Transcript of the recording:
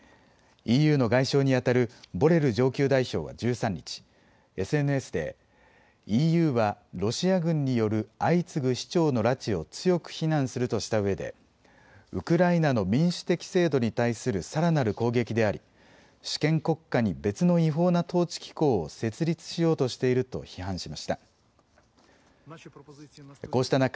ＥＵの外相にあたるボレル上級代表は１３日、ＳＮＳでＥＵはロシア軍による相次ぐ市長の拉致を強く非難するとしたうえでウクライナの民主的制度に対するさらなる攻撃であり主権国家に別の違法な統治機構を設立しようとしていると批判しました。